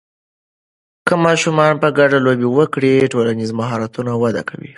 که ماشومان په ګډه لوبې وکړي، ټولنیز مهارتونه وده کوي.